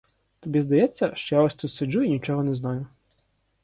Тобі здається, що я ось тут сиджу і нічого не знаю?